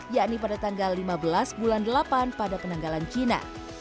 yakni pada tanggal lima belas bulan delapan pada penanggalan cina